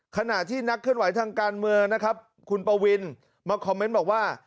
ขณะที่นักเคลื่อนไหวทางการเมืองนะครับคุณปวินมาคอมเมนต์บอกว่า